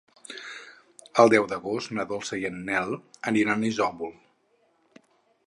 El deu d'agost na Dolça i en Nel aniran a Isòvol.